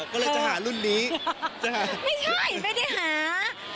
ไม่ใช่ไม่ได้หา